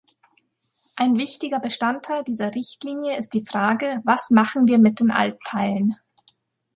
Ein wichtiger Bestandteil dieser Richtlinie ist die Frage, was machen wir mit den Altteilen?